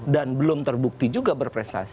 dan belum terbukti juga berprestasi